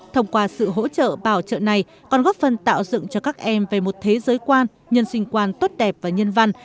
thông qua sự hỗ trợ bảo trợ này còn góp phần tạo dựng cho các em về một thế giới quan nhân sinh quan tốt đẹp và nhân văn